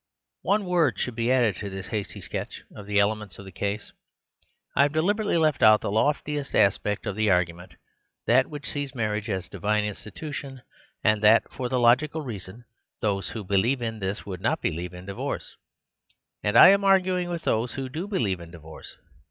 One word should be added to this hasty sketch of the elements of the case. I have de liberately left out the loftiest aspect and argu ment, that which sees marriage as a divine institution; and that for the logical reason that those who believe in this would not be lieve in divorce ; and I am arguing with those 68 The Superstition of Divorce who do believe in divorce.